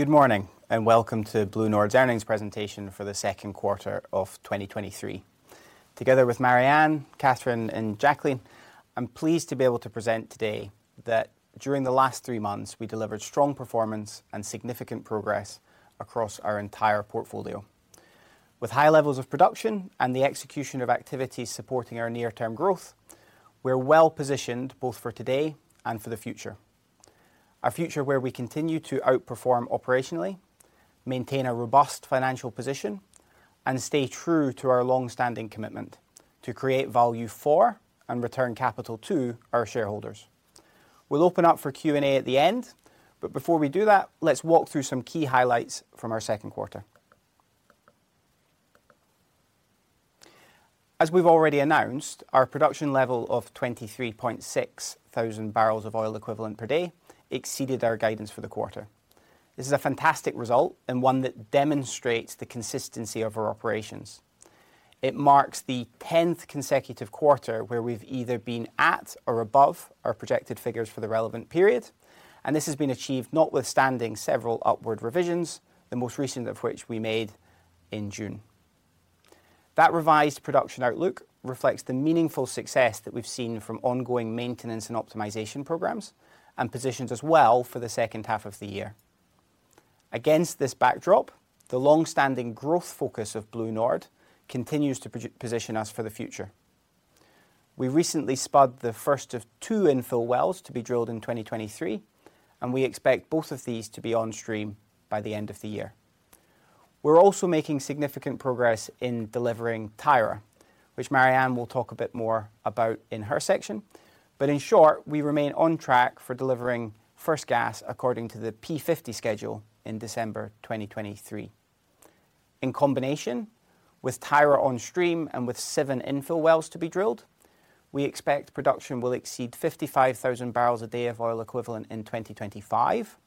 Good morning, and welcome to BlueNord's earnings presentation for the second quarter of 2023. Together with Marianne, Cathrine, and Jacqueline, I'm pleased to be able to present today that during the last 3 months, we delivered strong performance and significant progress across our entire portfolio. With high levels of production and the execution of activities supporting our near-term growth, we're well-positioned both for today and for the future. A future where we continue to outperform operationally, maintain a robust financial position, and stay true to our long-standing commitment: to create value for and return capital to our shareholders. We'll open up for Q&A at the end, but before we do that, let's walk through some key highlights from our Q2. As we've already announced, our production level of 23.6 thousand barrels of oil equivalent per day exceeded our guidance for the quarter. This is a fantastic result and one that demonstrates the consistency of our operations. It marks the 10th consecutive quarter where we've either been at or above our projected figures for the relevant period. This has been achieved notwithstanding several upward revisions, the most recent of which we made in June. That revised production outlook reflects the meaningful success that we've seen from ongoing maintenance and optimization programs and positions us well for the H2 of the year. Against this backdrop, the long-standing growth focus of BlueNord continues to position us for the future. We recently spud the first of two infill wells to be drilled in 2023. We expect both of these to be on stream by the end of the year. We're also making significant progress in delivering Tyra, which Marianne will talk a bit more about in her section. In short, we remain on track for delivering first gas according to the P50 schedule in December 2023. In combination, with Tyra on stream and with 7 infill wells to be drilled, we expect production will exceed 55,000 barrels a day of oil equivalent in 2025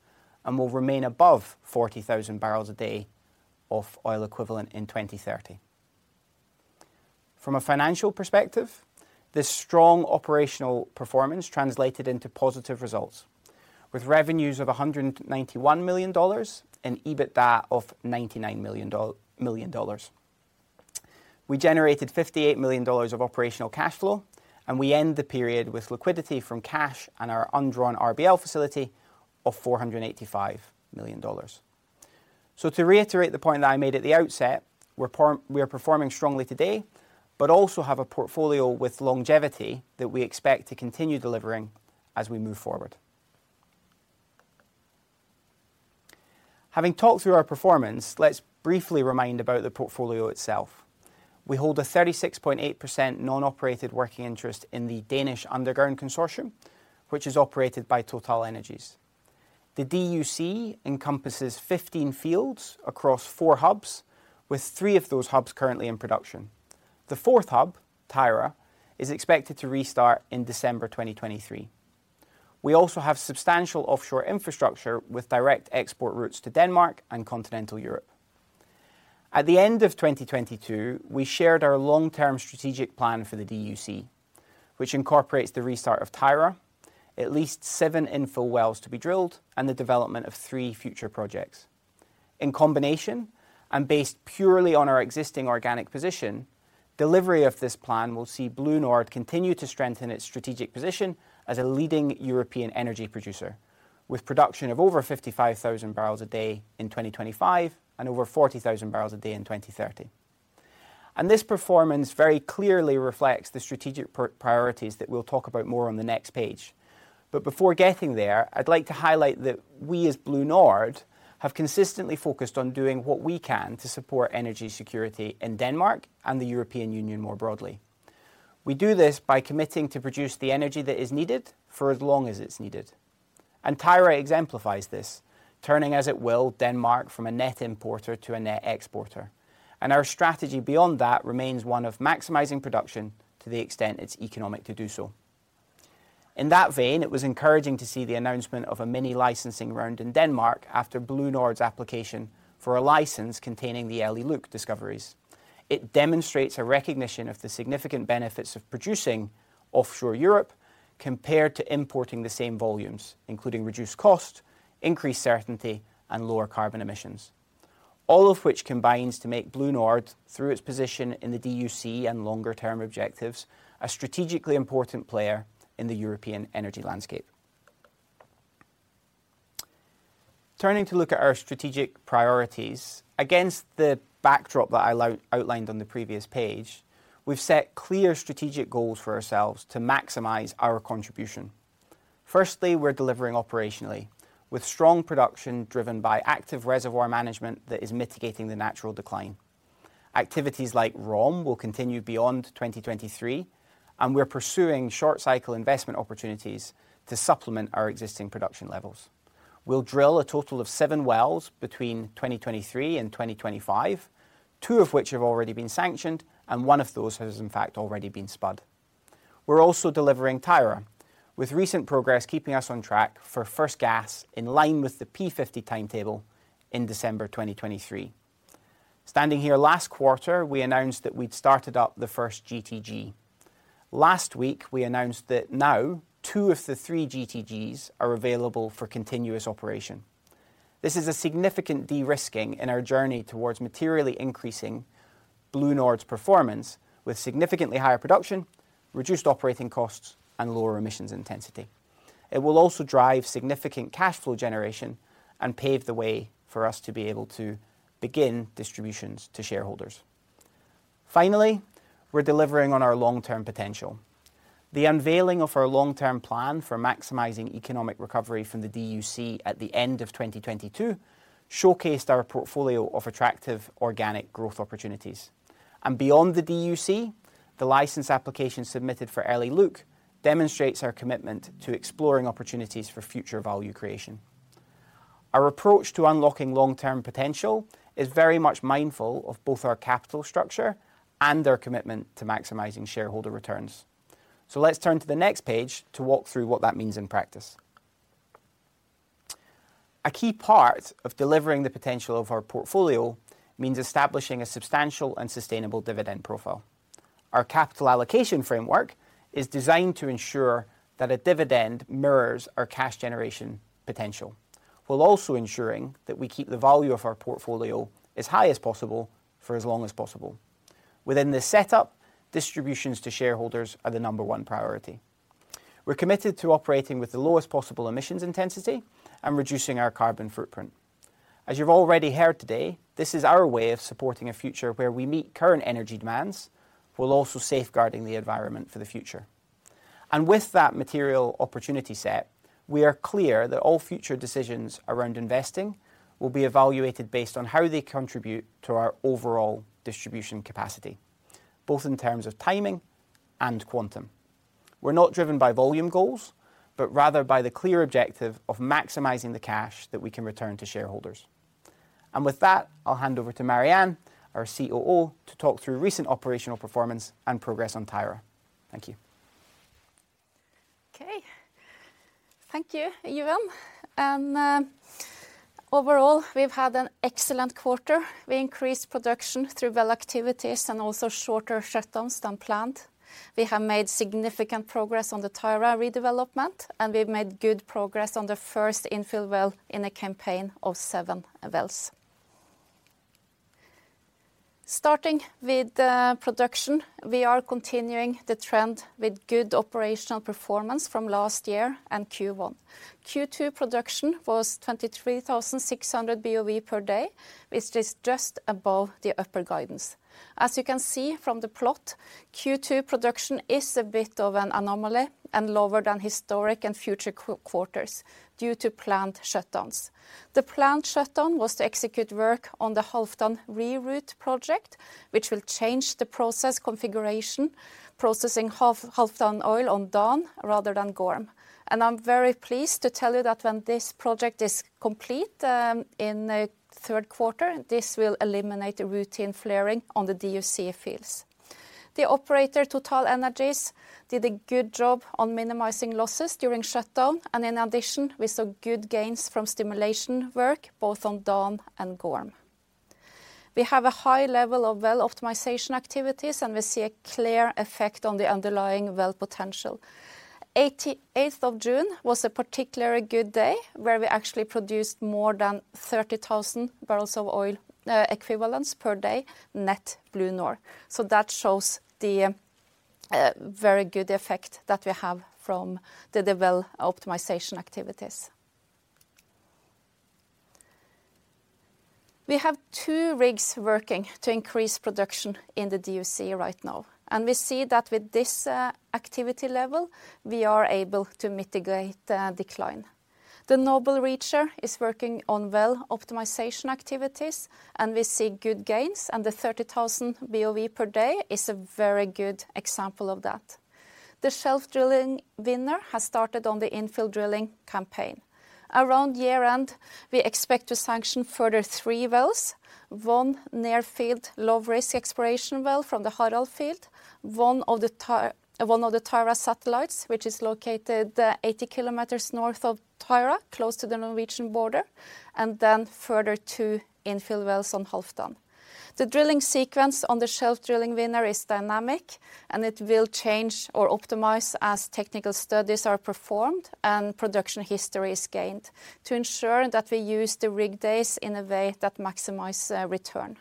and will remain above 40,000 barrels a day of oil equivalent in 2030. From a financial perspective, this strong operational performance translated into positive results, with revenues of $191 million and EBITDA of $99 million. We generated $58 million of operational cash flow. We end the period with liquidity from cash and our undrawn RBL facility of $485 million. To reiterate the point that I made at the outset, we are performing strongly today, but also have a portfolio with longevity that we expect to continue delivering as we move forward. Having talked through our performance, let's briefly remind about the portfolio itself. We hold a 36.8% non-operated working interest in the Danish Underground Consortium, which is operated by TotalEnergies. The DUC encompasses 15 fields across 4 hubs, with 3 of those hubs currently in production. The fourth hub, Tyra, is expected to restart in December 2023. We also have substantial offshore infrastructure with direct export routes to Denmark and continental Europe. At the end of 2022, we shared our long-term strategic plan for the DUC, which incorporates the restart of Tyra, at least 7 infill wells to be drilled, and the development of 3 future projects. In combination, and based purely on our existing organic position, delivery of this plan will see BlueNord continue to strengthen its strategic position as a leading European energy producer, with production of over 55,000 barrels a day in 2025 and over 40,000 barrels a day in 2030. This performance very clearly reflects the strategic priorities that we'll talk about more on the next page. Before getting there, I'd like to highlight that we, as BlueNord, have consistently focused on doing what we can to support energy security in Denmark and the European Union more broadly. We do this by committing to produce the energy that is needed for as long as it's needed. Tyra exemplifies this, turning, as it will, Denmark from a net importer to a net exporter, and our strategy beyond that remains one of maximizing production to the extent it's economic to do so. In that vein, it was encouraging to see the announcement of a mini licensing round in Denmark after BlueNord's application for a license containing the Elly-Luke discoveries. It demonstrates a recognition of the significant benefits of producing offshore Europe compared to importing the same volumes, including reduced cost, increased certainty, and lower carbon emissions. All of which combines to make BlueNord, through its position in the DUC and longer-term objectives, a strategically important player in the European energy landscape. Turning to look at our strategic priorities, against the backdrop that I outlined on the previous page, we've set clear strategic goals for ourselves to maximize our contribution. Firstly, we're delivering operationally, with strong production driven by active reservoir management that is mitigating the natural decline. Activities like ROM will continue beyond 2023, we're pursuing short-cycle investment opportunities to supplement our existing production levels. We'll drill a total of 7 wells between 2023 and 2025, 2 of which have already been sanctioned, 1 of those has, in fact, already been spud. We're also delivering Tyra, with recent progress keeping us on track for first gas in line with the P50 timetable in December 2023. Standing here last quarter, we announced that we'd started up the first GTG. Last week, we announced that now 2 of the 3 GTGs are available for continuous operation. This is a significant de-risking in our journey towards materially increasing BlueNord's performance, with significantly higher production, reduced operating costs, and lower emissions intensity. It will also drive significant cash flow generation and pave the way for us to be able to begin distributions to shareholders. Finally, we're delivering on our long-term potential. The unveiling of our long-term plan for maximizing economic recovery from the DUC at the end of 2022, showcased our portfolio of attractive organic growth opportunities. Beyond the DUC, the license application submitted for Elly-Luke, demonstrates our commitment to exploring opportunities for future value creation. Our approach to unlocking long-term potential is very much mindful of both our capital structure and our commitment to maximizing shareholder returns. Let's turn to the next page to walk through what that means in practice. A key part of delivering the potential of our portfolio means establishing a substantial and sustainable dividend profile. Our capital allocation framework is designed to ensure that a dividend mirrors our cash generation potential, while also ensuring that we keep the value of our portfolio as high as possible for as long as possible. Within this setup, distributions to shareholders are the number 1 priority. We're committed to operating with the lowest possible emissions intensity and reducing our carbon footprint. As you've already heard today, this is our way of supporting a future where we meet current energy demands, while also safeguarding the environment for the future. With that material opportunity set, we are clear that all future decisions around investing will be evaluated based on how they contribute to our overall distribution capacity, both in terms of timing and quantum. We're not driven by volume goals, but rather by the clear objective of maximizing the cash that we can return to shareholders. With that, I'll hand over to Marianne, our COO, to talk through recent operational performance and progress on Tyra. Thank you. Okay. Thank you, Euan. Overall, we've had an excellent quarter. We increased production through well activities and also shorter shutdowns than planned. We have made significant progress on the Tyra redevelopment, and we've made good progress on the first infill well in a campaign of seven wells. Starting with the production, we are continuing the trend with good operational performance from last year and Q1. Q2 production was 23,600 BOE per day, which is just above the upper guidance. As you can see from the plot, Q2 production is a bit of an anomaly and lower than historic and future quarters due to planned shutdowns. The planned shutdown was to execute work on the Halfdan re-route project, which will change the process configuration, processing Halfdan oil on Dan rather than Gorm. I'm very pleased to tell you that when this project is complete, in the third quarter, this will eliminate the routine flaring on the DUC fields. The operator, TotalEnergies, did a good job on minimizing losses during shutdown, and in addition, we saw good gains from stimulation work, both on Dan and Gorm. We have a high level of well optimization activities, and we see a clear effect on the underlying well potential. 8th of June was a particularly good day, where we actually produced more than 30,000 barrels of oil equivalent per day, net BlueNord. That shows the very good effect that we have from the well optimization activities. We have two rigs working to increase production in the DUC right now, and we see that with this activity level, we are able to mitigate the decline. The Noble Reacher is working on well optimization activities, and we see good gains, and the 30,000 BOE per day is a very good example of that. The Shelf Drilling Winner has started on the infill drilling campaign. Around year-end, we expect to sanction further 3 wells, one near field, low-risk exploration well from the Harald field, one of the Tyra satellites, which is located 80 kilometers north of Tyra, close to the Norwegian border, and then further 2 infill wells on Halfdan. The drilling sequence on the Shelf Drilling Winner is dynamic, it will change or optimize as technical studies are performed and production history is gained to ensure that we use the rig days in a way that maximize return.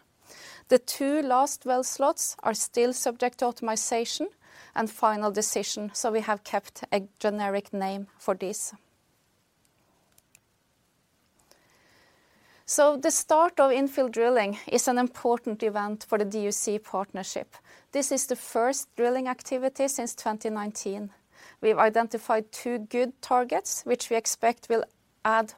The 2 last well slots are still subject to optimization and final decision, we have kept a generic name for this. The start of infill drilling is an important event for the DUC partnership. This is the first drilling activity since 2019. We've identified two good targets, which we expect will add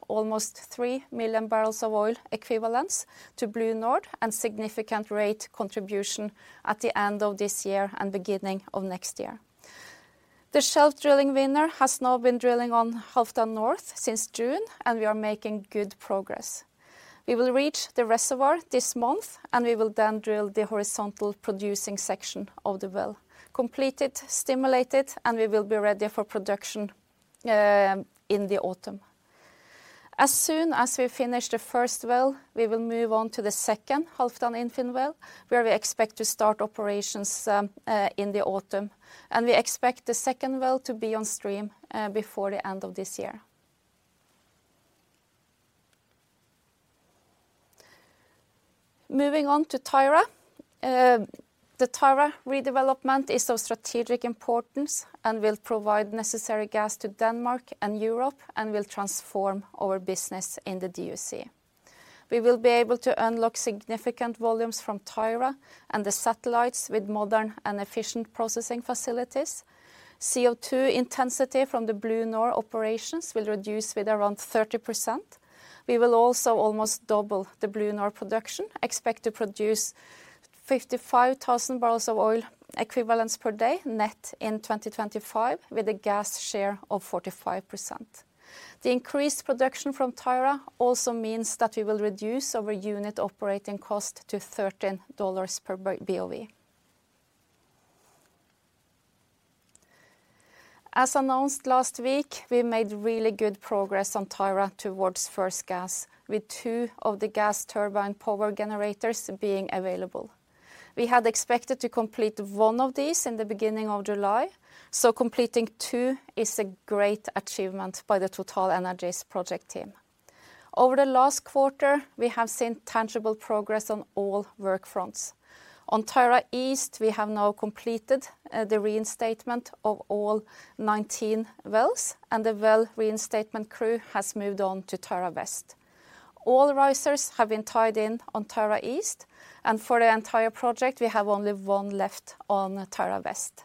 almost 3 million barrels of oil equivalent to BlueNord, and significant rate contribution at the end of this year and beginning of next year. The Shelf Drilling Winner has now been drilling on Halfdan North since June, and we are making good progress. We will reach the reservoir this month, and we will then drill the horizontal producing section of the well. Complete it, stimulate it, and we will be ready for production in the autumn. As soon as we finish the first well, we will move on to the second Halfdan infill well, where we expect to start operations in the autumn, and we expect the second well to be on stream before the end of this year. Moving on to Tyra. The Tyra redevelopment is of strategic importance and will provide necessary gas to Denmark and Europe, and will transform our business in the DUC. We will be able to unlock significant volumes from Tyra and the satellites with modern and efficient processing facilities. CO2 intensity from the BlueNord operations will reduce with around 30%. We will also almost double the BlueNord production, expect to produce 55,000 barrels of oil equivalents per day net in 2025, with a gas share of 45%. The increased production from Tyra also means that we will reduce our unit operating cost to $13 per BOE. As announced last week, we made really good progress on Tyra towards first gas, with two of the gas turbine power generators being available. We had expected to complete one of these in the beginning of July, so completing two is a great achievement by the TotalEnergies project team. Over the last quarter, we have seen tangible progress on all work fronts. On Tyra East, we have now completed the reinstatement of all 19 wells, and the well reinstatement crew has moved on to Tyra West. All risers have been tied in on Tyra East, and for the entire project, we have only one left on Tyra West.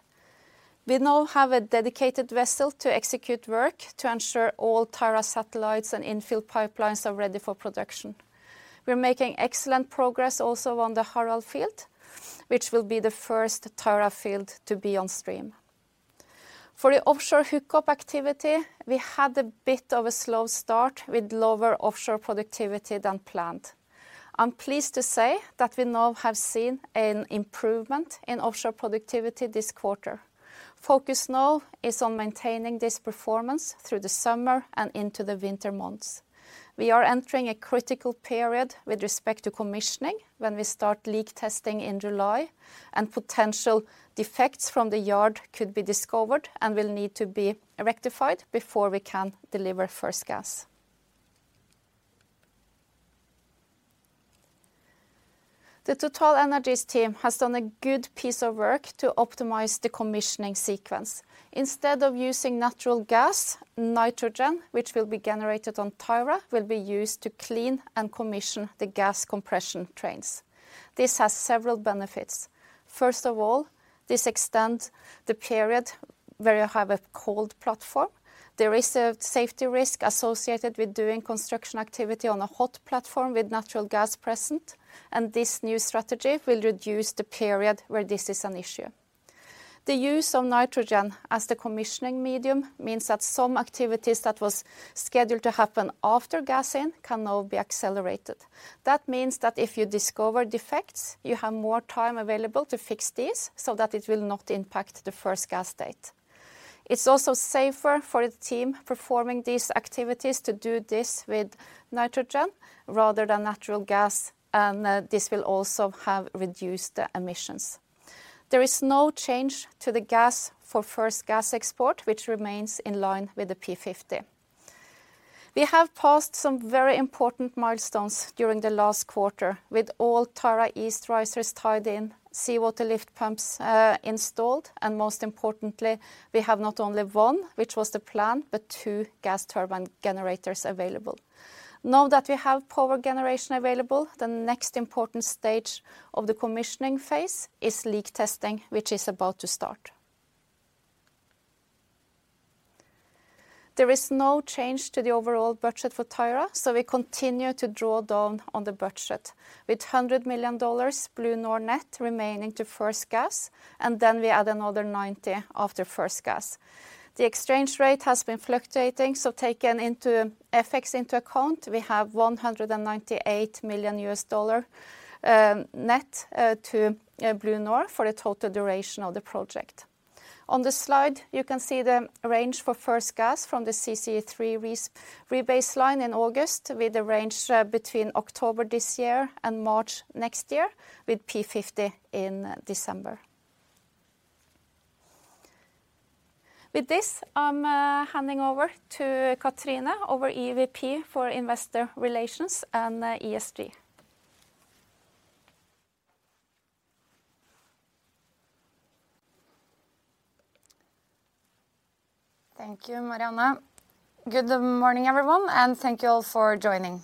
We now have a dedicated vessel to execute work to ensure all Tyra satellites and infill pipelines are ready for production. We're making excellent progress also on the Harald field, which will be the 1st Tyra field to be on stream. For the offshore hookup activity, we had a bit of a slow start with lower offshore productivity than planned. I'm pleased to say that we now have seen an improvement in offshore productivity this quarter. Focus now is on maintaining this performance through the summer and into the winter months. We are entering a critical period with respect to commissioning when we start leak testing in July, and potential defects from the yard could be discovered and will need to be rectified before we can deliver first gas. The TotalEnergies team has done a good piece of work to optimize the commissioning sequence. Instead of using natural gas, nitrogen, which will be generated on Tyra, will be used to clean and commission the gas compression trains. This has several benefits. First of all, this extends the period where you have a cold platform. There is a safety risk associated with doing construction activity on a hot platform with natural gas present. This new strategy will reduce the period where this is an issue. The use of nitrogen as the commissioning medium means that some activities that was scheduled to happen after gas in can now be accelerated. That means that if you discover defects, you have more time available to fix these so that it will not impact the first gas date. It's also safer for the team performing these activities to do this with nitrogen rather than natural gas. This will also have reduced the emissions. There is no change to the gas for first gas export, which remains in line with the P50. We have passed some very important milestones during the last quarter, with all Tyra East risers tied in, seawater lift pumps installed, and most importantly, we have not only 1, which was the plan, but 2 gas turbine generators available. Now that we have power generation available, the next important stage of the commissioning phase is leak testing, which is about to start. There is no change to the overall budget for Tyra. We continue to draw down on the budget, with $100 million BlueNord net remaining to first gas, and then we add another $90 million after first gas. The exchange rate has been fluctuating, so taken into FX into account, we have $198 million net to BlueNord for the total duration of the project. On the slide, you can see the range for first gas from the CCA3 rebaseline in August, with the range between October this year and March next year, with P50 in December. With this, I'm handing over to Cathrine, our EVP for Investor Relations and ESG. Thank you, Marianne. Good morning, everyone, and thank you all for joining.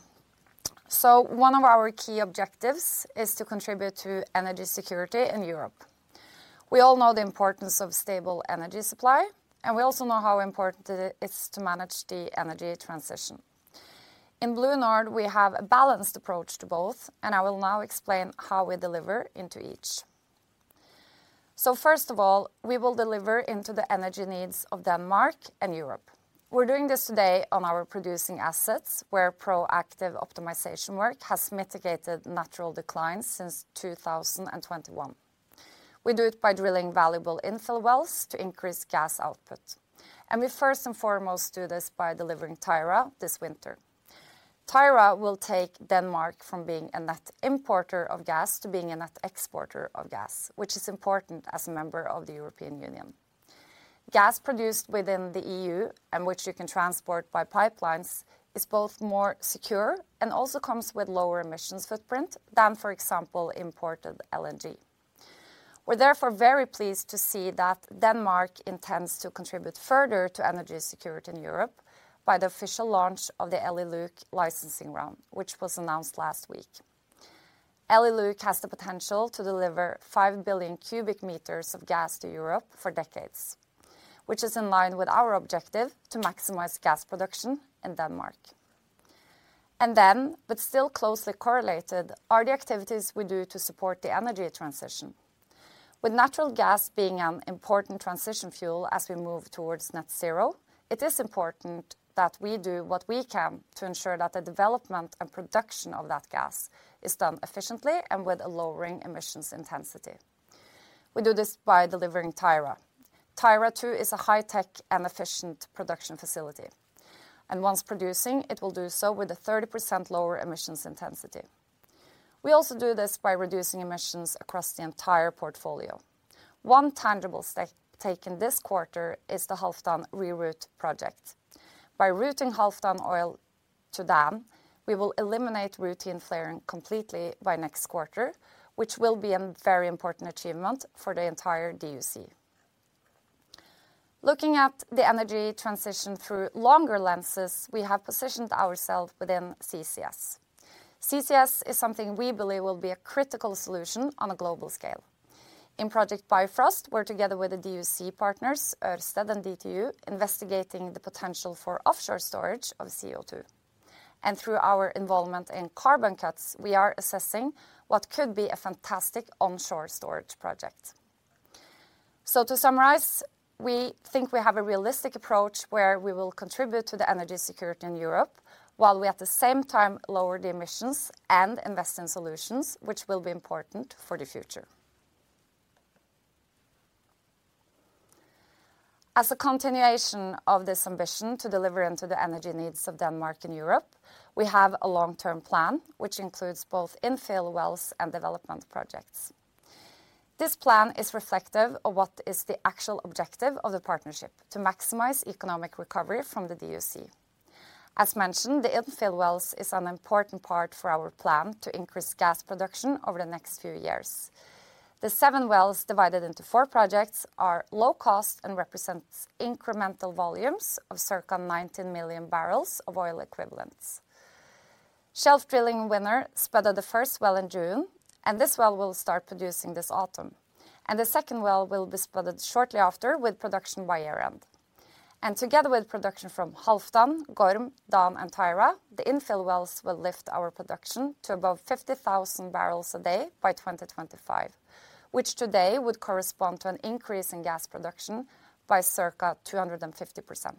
One of our key objectives is to contribute to energy security in Europe. We all know the importance of stable energy supply, and we also know how important it is to manage the energy transition. In BlueNord, we have a balanced approach to both, and I will now explain how we deliver into each. First of all, we will deliver into the energy needs of Denmark and Europe. We're doing this today on our producing assets, where proactive optimization work has mitigated natural declines since 2021. We do it by drilling valuable infill wells to increase gas output, and we first and foremost do this by delivering Tyra this winter. Tyra will take Denmark from being a net importer of gas to being a net exporter of gas, which is important as a member of the European Union. Gas produced within the EU, and which you can transport by pipelines, is both more secure and also comes with lower emissions footprint than, for example, imported LNG. We're therefore very pleased to see that Denmark intends to contribute further to energy security in Europe by the official launch of the Elly-Luke licensing round, which was announced last week. Elly-Luke has the potential to deliver 5 billion cubic meters of gas to Europe for decades, which is in line with our objective to maximize gas production in Denmark. Still closely correlated, are the activities we do to support the energy transition. With natural gas being an important transition fuel as we move towards net zero, it is important that we do what we can to ensure that the development and production of that gas is done efficiently and with a lowering emissions intensity. We do this by delivering Tyra. Tyra-2 is a high-tech and efficient production facility, and once producing, it will do so with a 30% lower emissions intensity. We also do this by reducing emissions across the entire portfolio. One tangible step taken this quarter is the Halfdan re-route project. By routing Halfdan oil to Dan, we will eliminate routine flaring completely by next quarter, which will be a very important achievement for the entire DUC. Looking at the energy transition through longer lenses, we have positioned ourselves within CCS. CCS is something we believe will be a critical solution on a global scale. Project Bifrost, we're together with the DUC partners, Ørsted and DTU, investigating the potential for offshore storage of CO2. Through our involvement in CarbonCuts, we are assessing what could be a fantastic onshore storage project. To summarize, we think we have a realistic approach where we will contribute to the energy security in Europe, while we at the same time lower the emissions and invest in solutions, which will be important for the future. As a continuation of this ambition to deliver into the energy needs of Denmark and Europe, we have a long-term plan, which includes both infill wells and development projects. This plan is reflective of what is the actual objective of the partnership: to maximize economic recovery from the DUC. As mentioned, the infill wells is an important part for our plan to increase gas production over the next few years. The 7 wells, divided into 4 projects, are low cost and represents incremental volumes of circa 19 million barrels of oil equivalents. Shelf Drilling Winner spudded the 1st well in June, this well will start producing this autumn, the 2nd well will be spudded shortly after, with production by year-end. Together with production from Halfdan, Gorm, Dan, and Tyra, the infill wells will lift our production to above 50,000 barrels a day by 2025, which today would correspond to an increase in gas production by circa 250%.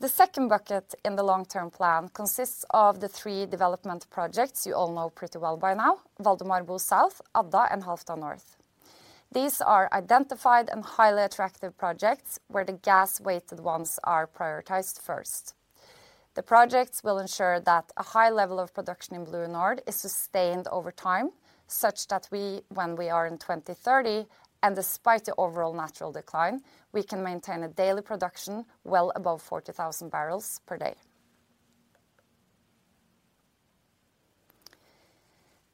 The 2nd bucket in the long-term plan consists of the 3 development projects you all know pretty well by now, Valdemar Bo South, Adda, and Halfdan North. These are identified and highly attractive projects, where the gas-weighted ones are prioritized first. The projects will ensure that a high level of production in BlueNord is sustained over time, such that we, when we are in 2030, and despite the overall natural decline, we can maintain a daily production well above 40,000 barrels per day.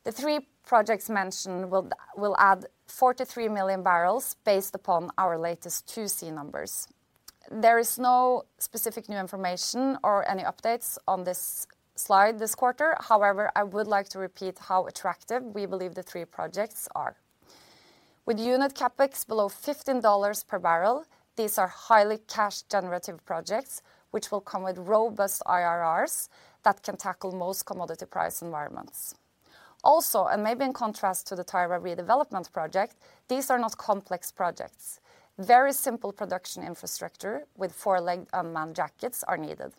The 3 projects mentioned will add 43 million barrels based upon our latest 2C numbers. There is no specific new information or any updates on this slide this quarter. However, I would like to repeat how attractive we believe the 3 projects are. With unit CapEx below $15 per barrel, these are highly cash-generative projects, which will come with robust IRRs that can tackle most commodity price environments. Also, and maybe in contrast to the Tyra redevelopment project, these are not complex projects. Very simple production infrastructure with four-leg unmanned jackets are needed.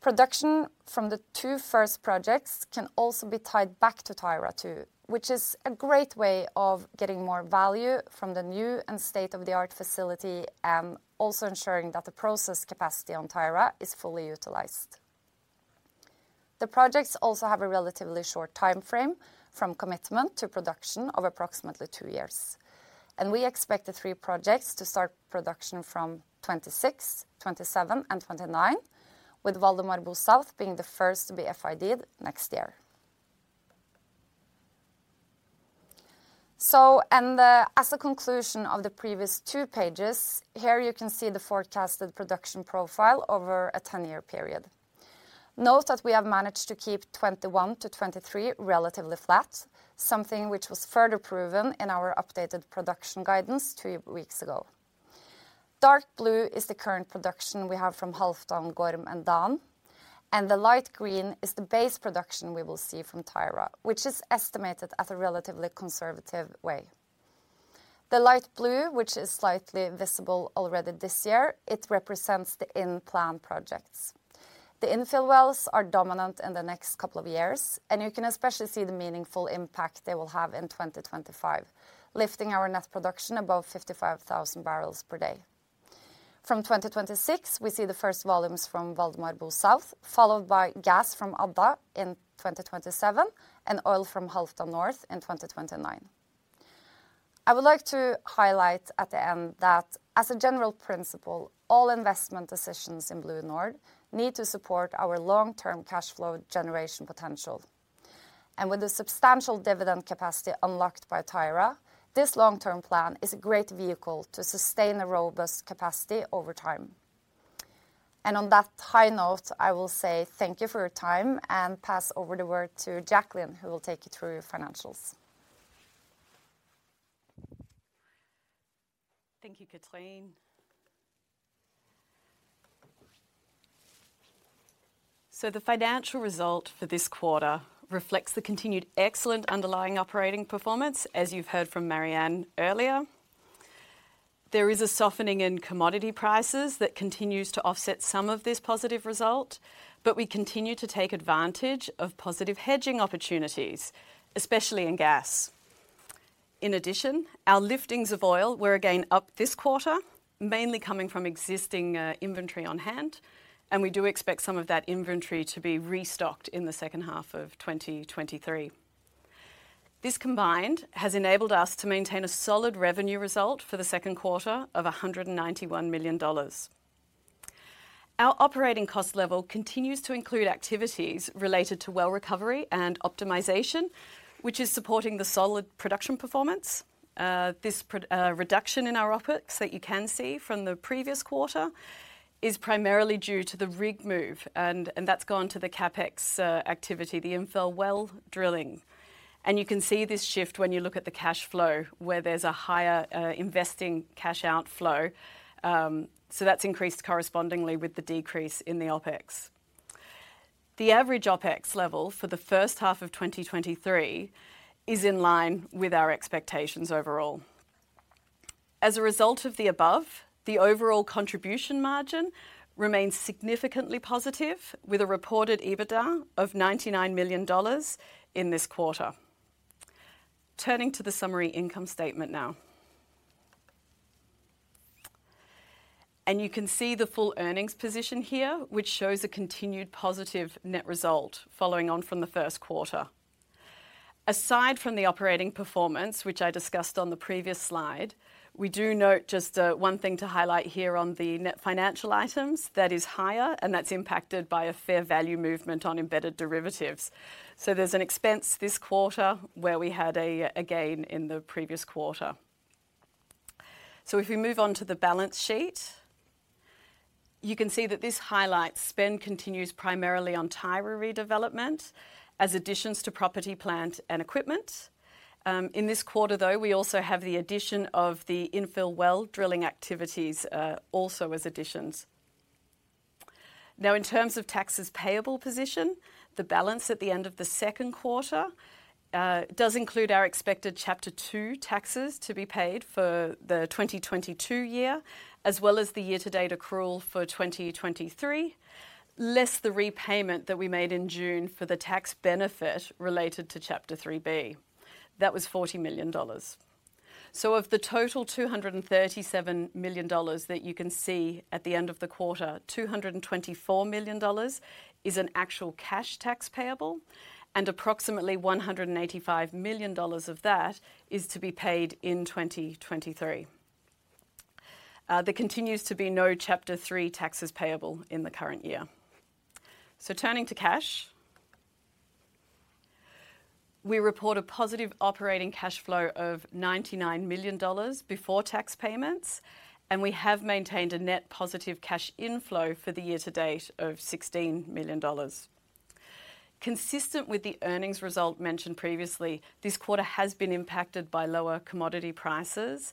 Production from the 2 1st projects can also be tied back to Tyra-2, which is a great way of getting more value from the new and state-of-the-art facility, and also ensuring that the process capacity on Tyra is fully utilized. The projects also have a relatively short timeframe from commitment to production of approximately 2 years, and we expect the 3 projects to start production from 2026, 2027, and 2029, with Valdemar Bo South being the first to be FID'd next year. As a conclusion of the previous 2 pages, here you can see the forecasted production profile over a 10-year period. Note that we have managed to keep 2021 to 2023 relatively flat, something which was further proven in our updated production guidance 2 weeks ago. Dark blue is the current production we have from Halfdan, Gorm, and Dan, and the light green is the base production we will see from Tyra, which is estimated at a relatively conservative way. The light blue, which is slightly visible already this year, it represents the in-plan projects. The infill wells are dominant in the next couple of years, and you can especially see the meaningful impact they will have in 2025, lifting our net production above 55,000 barrels per day. From 2026, we see the first volumes from Valdemar Bo South, followed by gas from Adda in 2027 and oil from Halfdan North in 2029. I would like to highlight at the end that, as a general principle, all investment decisions in BlueNord need to support our long-term cash flow generation potential. With the substantial dividend capacity unlocked by Tyra, this long-term plan is a great vehicle to sustain a robust capacity over time. On that high note, I will say thank you for your time and pass over the word to Jacqueline, who will take you through your financials. Thank you, Cathrine. The financial result for this quarter reflects the continued excellent underlying operating performance, as you've heard from Marianne earlier. There is a softening in commodity prices that continues to offset some of this positive result. We continue to take advantage of positive hedging opportunities, especially in gas. In addition, our liftings of oil were again up this quarter, mainly coming from existing inventory on hand. We do expect some of that inventory to be restocked in the second half of 2023. This combined has enabled us to maintain a solid revenue result for the second quarter of $191 million. Our operating cost level continues to include activities related to well recovery and optimization, which is supporting the solid production performance. Reduction in our OpEx that you can see from the previous quarter is primarily due to the rig move, and that's gone to the CapEx activity, the infill well drilling. You can see this shift when you look at the cash flow, where there's a higher investing cash outflow. So that's increased correspondingly with the decrease in the OpEx. The average OpEx level for the first half of 2023 is in line with our expectations overall. As a result of the above, the overall contribution margin remains significantly positive, with a reported EBITDA of $99 million in this quarter. Turning to the summary income statement now. You can see the full earnings position here, which shows a continued positive net result following on from the Q1. Aside from the operating performance, which I discussed on the previous slide, we do note just one thing to highlight here on the net financial items, that is higher, and that's impacted by a fair value movement on embedded derivatives. There's an expense this quarter where we had a gain in the previous quarter. If we move on to the balance sheet, you can see that this highlights spend continues primarily on Tyra redevelopment as additions to property, plant, and equipment. In this quarter, though, we also have the addition of the infill well drilling activities, also as additions. In terms of taxes payable position, the balance at the end of the Q2 does include our expected Chapter 2 taxes to be paid for the 2022 year, as well as the year-to-date accrual for 2023, less the repayment that we made in June for the tax benefit related to Chapter 3B. That was $40 million. Of the total $237 million that you can see at the end of the quarter, $224 million is an actual cash tax payable, and approximately $185 million of that is to be paid in 2023. There continues to be no Chapter 3 taxes payable in the current year. Turning to cash, we report a positive operating cash flow of $99 million before tax payments, and we have maintained a net positive cash inflow for the year to date of $16 million. Consistent with the earnings result mentioned previously, this quarter has been impacted by lower commodity prices,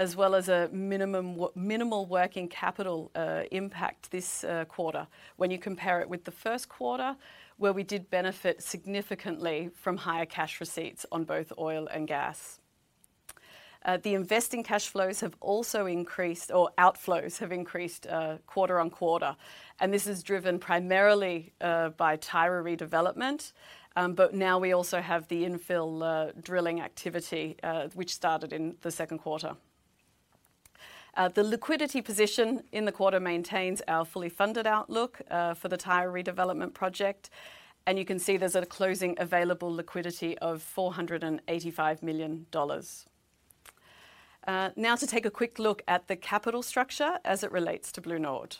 as well as a minimal working capital impact this quarter when you compare it with the Q1, where we did benefit significantly from higher cash receipts on both oil and gas. The investing cash flows have also increased, or outflows have increased, quarter-on-quarter, and this is driven primarily by Tyra redevelopment, but now we also have the infill drilling activity, which started in the Q2. The liquidity position in the quarter maintains our fully funded outlook for the Tyra redevelopment project, and you can see there's a closing available liquidity of $485 million. Now to take a quick look at the capital structure as it relates to BlueNord.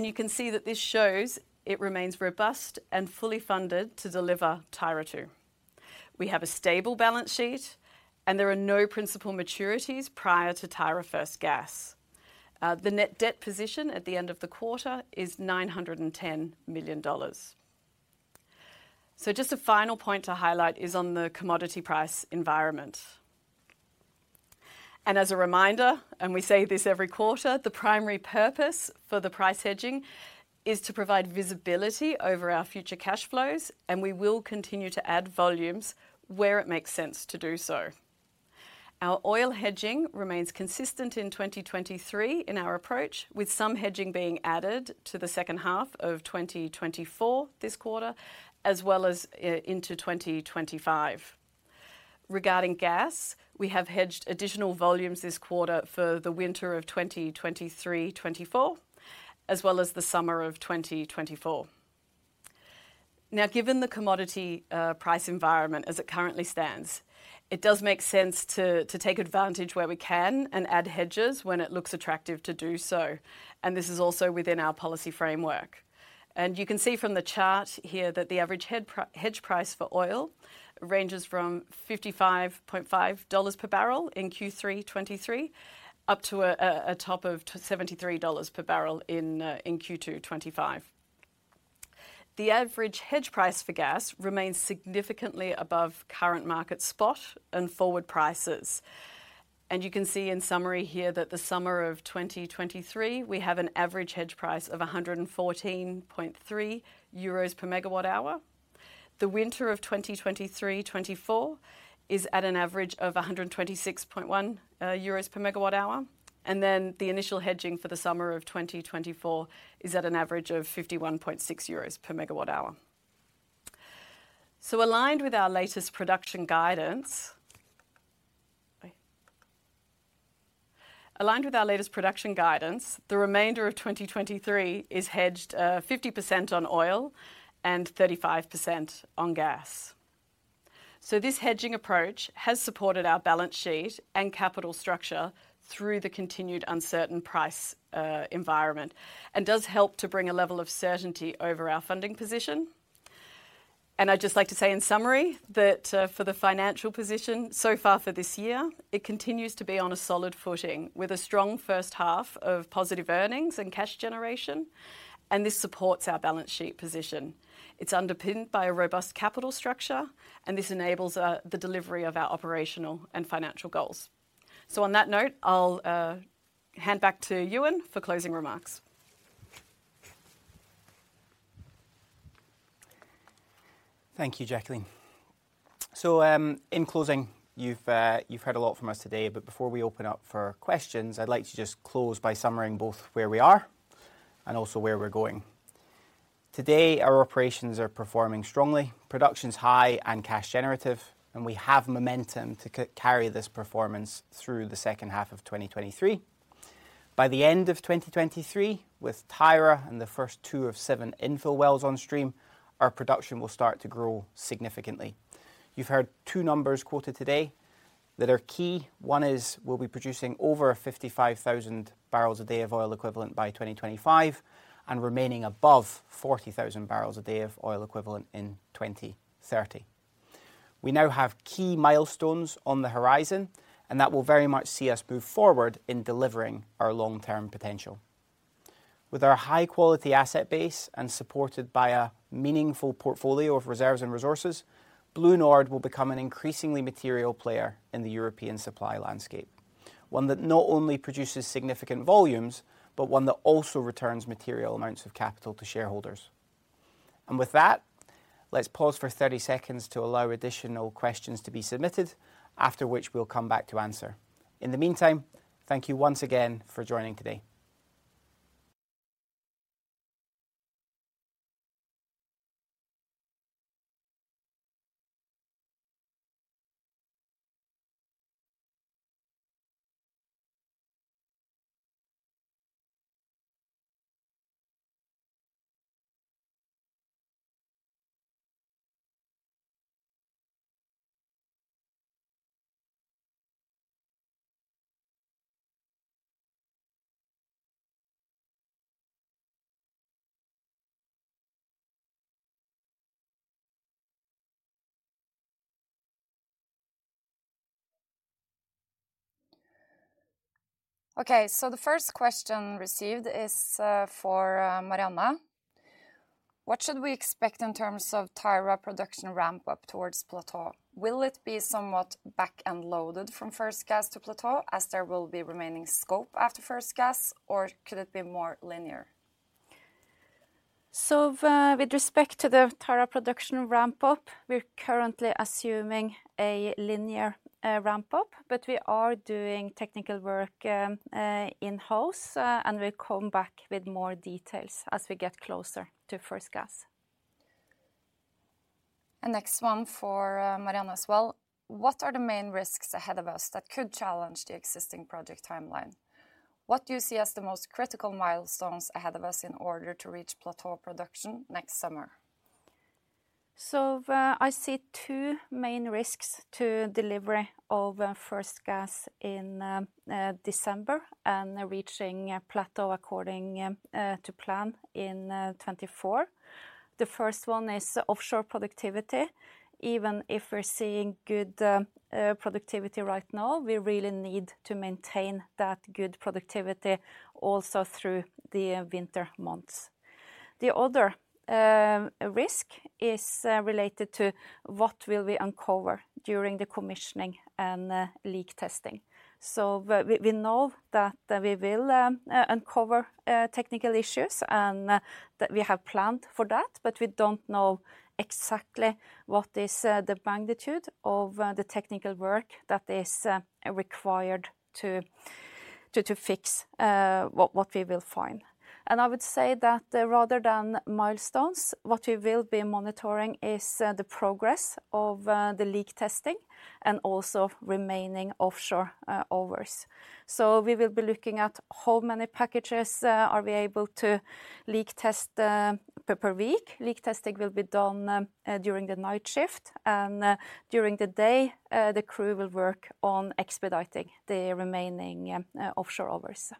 You can see that this shows it remains robust and fully funded to deliver Tyra-2. We have a stable balance sheet, and there are no principal maturities prior to Tyra 1st gas. The net debt position at the end of the quarter is $910 million. Just a final point to highlight is on the commodity price environment. As a reminder, and we say this every quarter, the primary purpose for the price hedging is to provide visibility over our future cash flows, and we will continue to add volumes where it makes sense to do so. Our oil hedging remains consistent in 2023 in our approach, with some hedging being added to the second half of 2024 this quarter, as well as into 2025. Regarding gas, we have hedged additional volumes this quarter for the winter of 2023, 2024, as well as the summer of 2024. Now, given the commodity price environment as it currently stands, it does make sense to take advantage where we can and add hedges when it looks attractive to do so, this is also within our policy framework. You can see from the chart here that the average hedge price for oil ranges from $55.5 per barrel in Q3 2023, up to a top of $73 per barrel in Q2 2025. The average hedge price for gas remains significantly above current market spot and forward prices. You can see in summary here, that the summer of 2023, we have an average hedge price of 114.3 euros per megawatt hour. The winter of 2023, 2024 is at an average of 126.1 euros per megawatt hour, the initial hedging for the summer of 2024 is at an average of 51.6 euros per megawatt hour. Aligned with our latest production guidance... Aligned with our latest production guidance, the remainder of 2023 is hedged, 50% on oil and 35% on gas. This hedging approach has supported our balance sheet and capital structure through the continued uncertain price environment, and does help to bring a level of certainty over our funding position. I'd just like to say, in summary, that for the financial position so far for this year, it continues to be on a solid footing, with a strong H1 of positive earnings and cash generation, and this supports our balance sheet position. It's underpinned by a robust capital structure, and this enables the delivery of our operational and financial goals. On that note, I'll hand back to Euan for closing remarks. Thank you, Jacqueline. In closing, you've heard a lot from us today, but before we open up for questions, I'd like to just close by summarizing both where we are and also where we're going. Today, our operations are performing strongly, production's high and cash generative, and we have momentum to carry this performance through the H2 of 2023. By the end of 2023, with Tyra and the 1st 2 of 7 infill wells on stream, our production will start to grow significantly. You've heard 2 numbers quoted today that are key. One is, we'll be producing over 55,000 barrels a day of oil equivalent by 2025, and remaining above 40,000 barrels a day of oil equivalent in 2030. We now have key milestones on the horizon, that will very much see us move forward in delivering our long-term potential. With our high-quality asset base, and supported by a meaningful portfolio of reserves and resources, BlueNord will become an increasingly material player in the European supply landscape. One that not only produces significant volumes, but one that also returns material amounts of capital to shareholders. With that, let's pause for 30 seconds to allow additional questions to be submitted, after which we'll come back to answer. In the meantime, thank you once again for joining today. Okay, the 1st question received is for Marianne. What should we expect in terms of Tyra production ramp-up towards plateau? Will it be somewhat back-end loaded from first gas to plateau, as there will be remaining scope after first gas, or could it be more linear? With respect to the Tyra production ramp-up, we're currently assuming a linear ramp-up, but we are doing technical work in-house, and we'll come back with more details as we get closer to first gas. Next one for Marianne as well: What are the main risks ahead of us that could challenge the existing project timeline? What do you see as the most critical milestones ahead of us in order to reach plateau production next summer? I see 2 main risks to delivery of first gas in December, and reaching a plateau according to plan in 2024. The first one is offshore productivity. Even if we're seeing good productivity right now, we really need to maintain that good productivity also through the winter months. The other risk is related to what will we uncover during the commissioning and leak testing. We know that we will uncover technical issues and that we have planned for that, but we don't know exactly what is the magnitude of the technical work that is required to fix what we will find. I would say that rather than milestones, what we will be monitoring is the progress of the leak testing and also remaining offshore overs. We will be looking at how many packages are we able to leak test per week. Leak testing will be done during the night shift, and during the day, the crew will work on expediting the remaining offshore overs.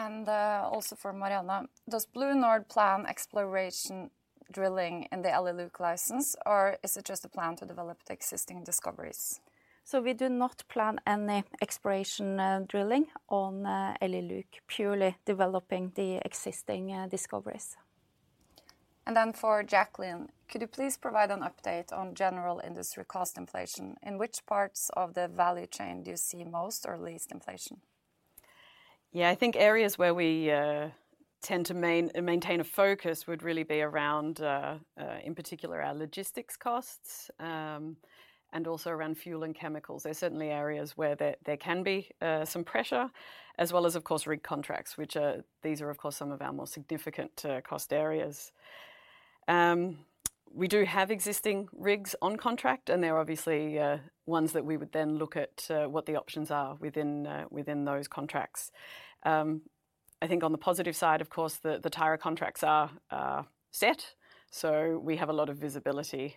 Also for Marianne, does BlueNord plan exploration drilling in the Elly-Luke license, or is it just a plan to develop the existing discoveries? We do not plan any exploration drilling on Elly-Luke, purely developing the existing discoveries. For Jacqueline, could you please provide an update on general industry cost inflation? In which parts of the value chain do you see most or least inflation? I think areas where we tend to maintain a focus would really be around, in particular, our logistics costs, and also around fuel and chemicals. They're certainly areas where there can be some pressure, as well as, of course, rig contracts, which are. These are, of course, some of our more significant cost areas. We do have existing rigs on contract, and they're obviously ones that we would then look at what the options are within within those contracts. I think on the positive side, of course, the Tyra contracts are set, so we have a lot of visibility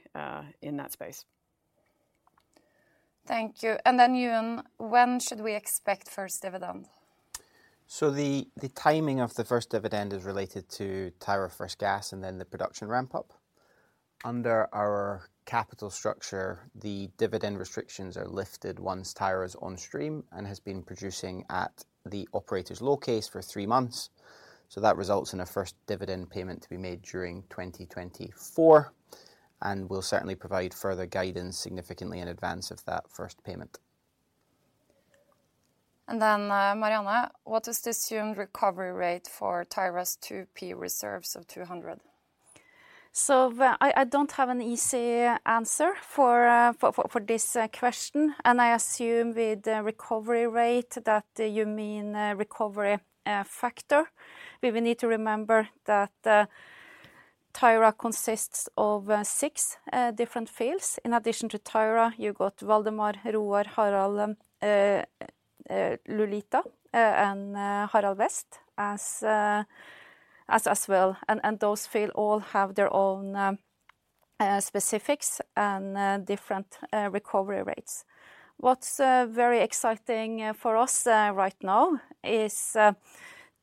in that space. Thank you. Euan, when should we expect first dividend? The timing of the first dividend is related to Tyra first gas and then the production ramp-up. Under our capital structure, the dividend restrictions are lifted once Tyra is on stream and has been producing at the operator's low case for three months. That results in a first dividend payment to be made during 2024. We'll certainly provide further guidance significantly in advance of that first payment. Marianne, what is the assumed recovery rate for Tyra's 2P reserves of 200? I don't have an easy answer for this question, and I assume with the recovery rate that you mean recovery factor. We will need to remember that Tyra consists of six different fields. In addition to Tyra, you've got Valdemar, Roar, Harald, Lulita, and Harald West, as well. Those field all have their own specifics and different recovery rates. What's very exciting for us right now is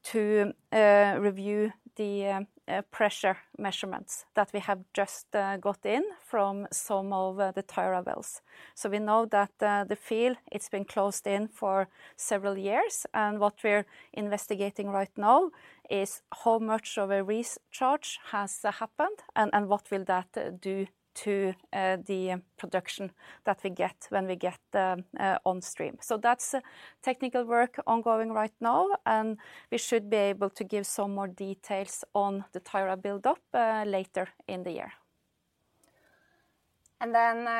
to review the pressure measurements that we have just got in from some of the Tyra wells. We know that the field, it's been closed in for several years, and what we're investigating right now is how much of a recharge has happened and what will that do to the production that we get when we get on stream. That's technical work ongoing right now, and we should be able to give some more details on the Tyra build-up later in the year.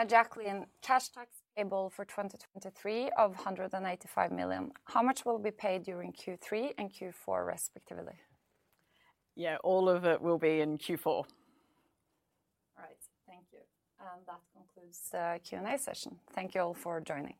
Jacqueline, cash tax payable for 2023 of $185 million, how much will be paid during Q3 and Q4, respectively? Yeah, all of it will be in Q4. All right, thank you. That concludes the Q&A session. Thank you all for joining.